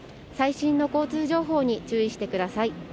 最新の交通情報に注意してください。